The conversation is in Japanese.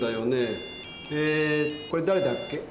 えーとこれだれだっけ？